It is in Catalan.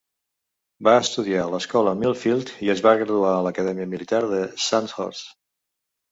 Va estudiar a l'escola Millfield i es va graduar a l'acadèmia militar de Sandhurst.